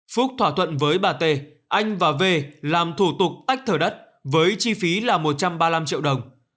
phúc thỏa thuận với bà t anh và v làm thủ tục tách thửa đất với chi phí là một trăm ba mươi năm triệu đồng